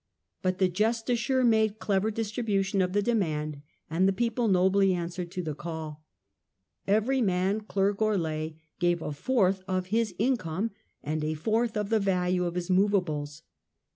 But the justiciar made clever dis tribution of the demand, and the people nobly ^^^^^ answered to the call Every man, clerk or lay, gave a fourth of his income and a fourth of the value of his movables.